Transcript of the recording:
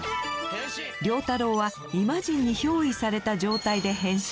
良太郎はイマジンにひょういされた状態で変身。